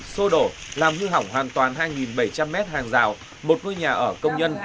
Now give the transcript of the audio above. xô đổ làm hư hỏng hoàn toàn hai bảy trăm linh m hàng rào một ngôi nhà ở công nhân